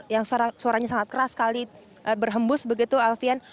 yang suaranya sangat keras sekali berhembus begitu alfian